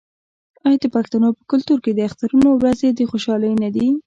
آیا د پښتنو په کلتور کې د اخترونو ورځې د خوشحالۍ نه دي؟